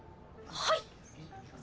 はい。